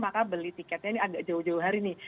maka beli tiketnya jauh jauh hari ini